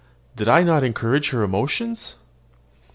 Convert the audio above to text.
Did I not encourage her emotions?